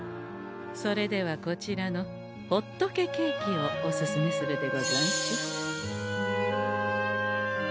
それではこちらのほっとけケーキをおすすめするでござんす。